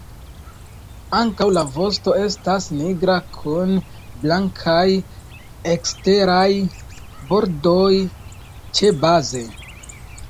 Ankaŭ la vosto estas nigra kun blankaj eksteraj bordoj ĉebaze.